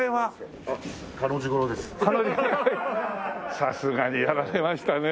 さすがにやられましたね。